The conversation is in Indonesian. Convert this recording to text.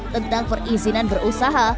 tentang perizinan berusaha